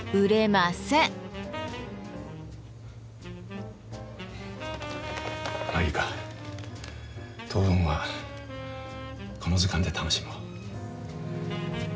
まあいいか当分はこの図鑑で楽しもう。